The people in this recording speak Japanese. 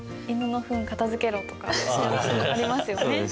「犬のふん片づけろ」とかありますよね。